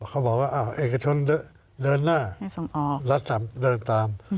เขาบอกว่าเอกชนเดินหน้าส่งออกรัฐเดินตาม